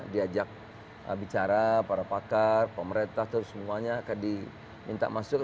diajak bicara para pakar pemerintah terus semuanya akan diminta masuk